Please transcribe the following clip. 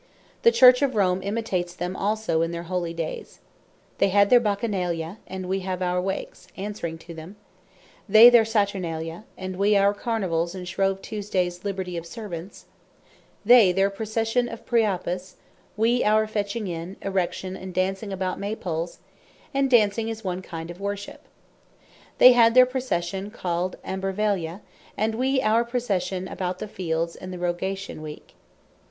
The Church of Rome imitates them also in their Holy Dayes. They had their Bacchanalia; and we have our Wakes, answering to them: They their Saturnalia, and we our Carnevalls, and Shrove tuesdays liberty of Servants: They their Procession of Priapus; wee our fetching in, erection, and dancing about May poles; and Dancing is one kind of Worship: They had their Procession called Ambarvalia; and we our Procession about the fields in the Rogation Week.